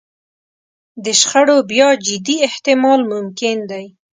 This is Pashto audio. د شخړو بیا جدي احتمال ممکن دی.